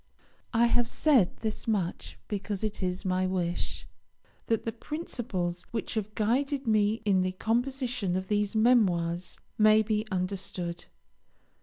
I have said this much because it is my wish that the principles which have guided me in the composition of these Memoirs may be understood.